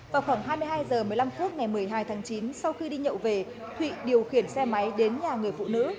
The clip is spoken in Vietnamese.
vào khoảng hai mươi hai h một mươi năm phút ngày một mươi hai tháng chín sau khi đi nhậu về thụy điều khiển xe máy đến nhà người phụ nữ